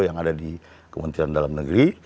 yang ada di kementerian dalam negeri